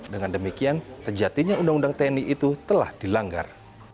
dengan demikian sejatinya undang undang tni itu telah dilanggar